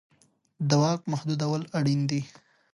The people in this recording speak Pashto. د واک محدودول اړین دي